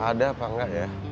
ada apa enggak ya